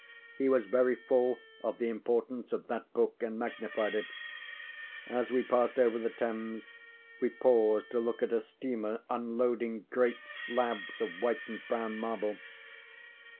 He was very full of the importance of that book and magnified it. As we passed over the Thames we paused to look at a steamerŌĆÖ unloading great slabs of white and brown marble.